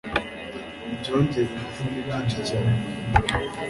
Ibyongera ingufu nibyinshi cyane